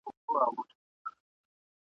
زه نغمه یمه د میني، زه زینت د دې جهان یم ..